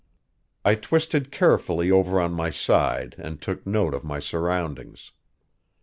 I twisted carefully over on my side and took note of my surroundings.